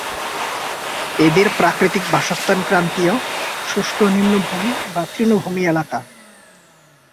এদের প্রাকৃতিক বাসস্থান ক্রান্তীয়, শুষ্ক নিম্নভূমি বা তৃণভূমি এলাকা।